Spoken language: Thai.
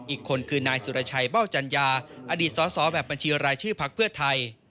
อีกคนคือนายสุรชัยเบ้าจัญญาอดีตสอสอแบบบัญชีรายชื่อพักเพื่อไทย